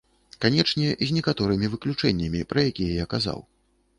Канечне, з некаторымі выключэннямі, пра якія я казаў.